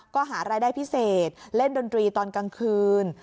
ก็หารายได้พิเศษเล่นดนตรีตอนกลางคืน